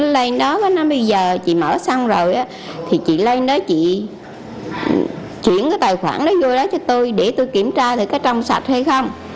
lên đó bây giờ chị mở xong rồi thì chị lên nói chị chuyển cái tài khoản đó vô đó cho tôi để tôi kiểm tra thì có trong sạch hay không